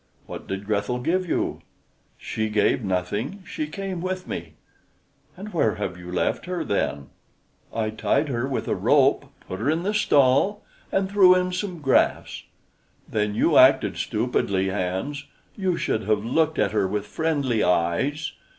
"What did Grethel give you?" "She gave nothing; she came with me." "And where have you left her, then?" "I tied her with a rope, put her in the stall, and threw in some grass." "Then you acted stupidly, Hans; you should have looked at her with friendly eyes."